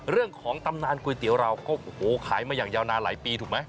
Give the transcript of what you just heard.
เรื่องของตำนานก๋วยเตี๋ยวเราก็ขายมาอย่างยาวนานหลายปีถูกไหม